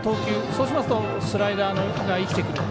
そうしますとスライダーが生きてくる。